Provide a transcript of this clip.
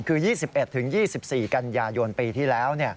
คือ๒๑๒๔กันยายนปีที่แล้ว